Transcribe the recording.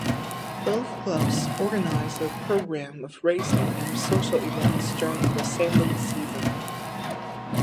Both clubs organise a programme of racing and social events during the sailing season.